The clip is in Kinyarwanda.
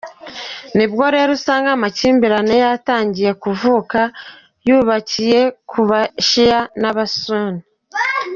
Nibwo rero usanga amakimbirane yatangiye kuvuka yubakiye ku bashia n’abasuni.